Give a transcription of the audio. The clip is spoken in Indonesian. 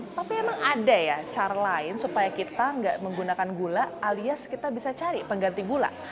tapi emang ada ya cara lain supaya kita nggak menggunakan gula alias kita bisa cari pengganti gula